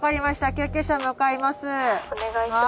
救急車向かいます。